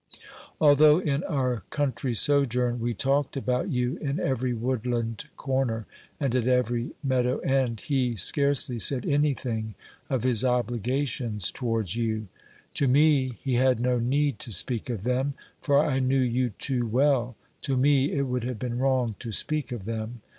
Although in our country sojourn we talked about you in every woodland corner and at every meadow end, he scarcely said anything of his obligations towards you ; to me he had no need to speak of them, for I knew you too well; to me it would have been wrong to speak of them.